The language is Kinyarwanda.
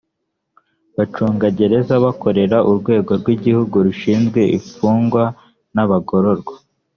bacungagereza bakorera urwego rw igihugu rushinzwe imfungwa n abagororwa